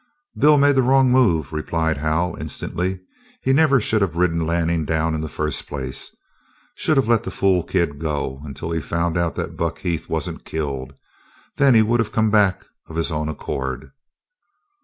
"Bill made the wrong move," replied Hal instantly. "He never should have ridden Lanning down in the first place. Should have let the fool kid go until he found out that Buck Heath wasn't killed. Then he would have come back of his own accord."